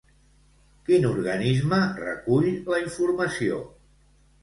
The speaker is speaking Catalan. Quin organisme recull la informació?